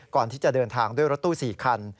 ก่อนที่จะเดินทางด้วยรถตู้๔คัน